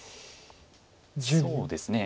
そうですね